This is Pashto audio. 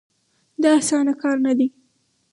دا اسانه کار نه دی.